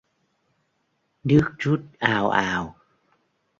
Nước trút ào ào